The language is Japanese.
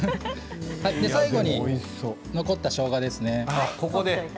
最後に残ったしょうがですね。